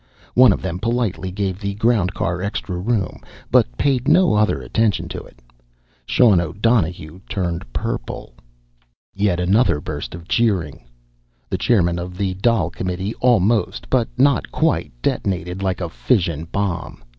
One of them politely gave the ground car extra room, but paid no other attention to it. Sean O'Donohue turned purple. Yet another burst of cheering. The chairman of the Dail Committee almost, but not quite, detonated like a fission bomb.